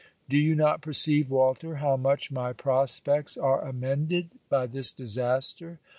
Do you not perceive, Walter, how much my prospects are amended by this disaster?